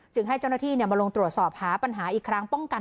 ให้เจ้าหน้าที่มาลงตรวจสอบหาปัญหาอีกครั้งป้องกัน